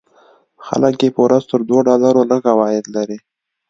خلک یې په ورځ تر دوو ډالرو لږ عواید لري.